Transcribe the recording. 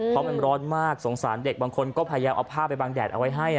เพราะมันร้อนมากสงสารเด็กบางคนก็พยายามเอาผ้าไปบางแดดเอาไว้ให้